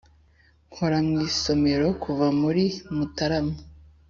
nkora mu isomero kuva muri mutarama.